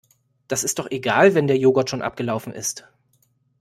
Das ist doch egal wenn der Joghurt schon abgelaufen ist.